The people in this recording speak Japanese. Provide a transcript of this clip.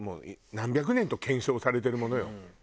何百年と検証されてるものよ。